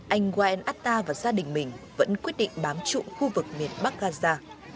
anh wael atta và gia đình mình vẫn quyết định bám trụ khu vực miền bắc gaza